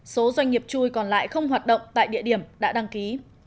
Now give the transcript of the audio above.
số doanh nghiệp chui còn lại không hoạt động tại địa điểm đã đăng ký